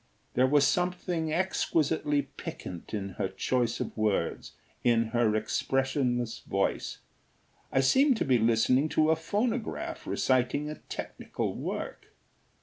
There was something exquisitely piquant in her choice of words, in her expressionless voice. I seemed to be listening to a phonograph reciting a technical work.